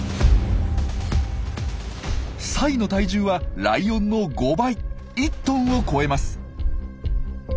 サイの体重はライオンの５倍１トンを超えます。